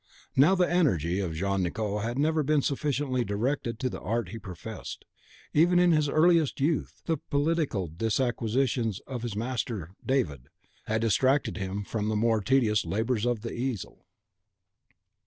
Now the energy of Jean Nicot had never been sufficiently directed to the art he professed. Even in his earliest youth, the political disquisitions of his master, David, had distracted him from the more tedious labours of the easel.